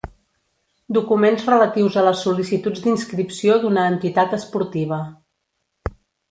Documents relatius a les sol·licituds d'inscripció d'una entitat esportiva.